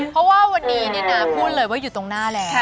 เพราะว่าวันนี้พูดเลยว่าอยู่ตรงหน้าแล้ว